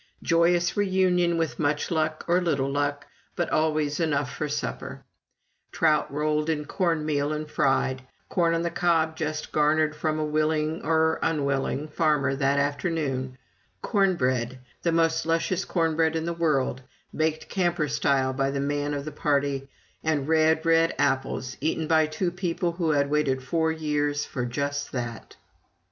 Joyous reunion, with much luck or little luck, but always enough for supper: trout rolled in cornmeal and fried, corn on the cob just garnered from a willing or unwilling farmer that afternoon, corn bread, the most luscious corn bread in the world, baked camper style by the man of the party, and red, red apples, eaten by two people who had waited four years for just that.